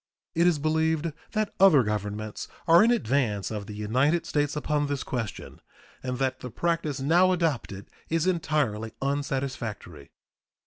It is believed that other governments are in advance of the United States upon this question, and that the practice now adopted is entirely unsatisfactory.